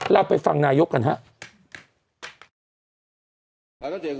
เราไปฟังนายกกันครับ